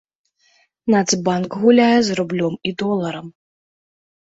Нацбанк гуляе з рублём і доларам.